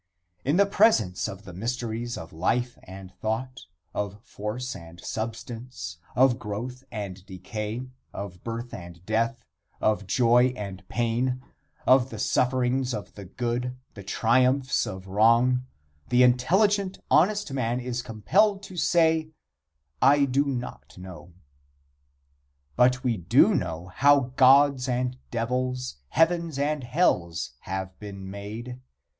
In the presence of the mysteries of life and thought, of force and substance, of growth and decay, of birth and death, of joy and pain, of the sufferings of the good, the triumphs of wrong, the intelligent honest man is compelled to say: "I do not know." But we do know how gods and devils, heavens and hells, have been made.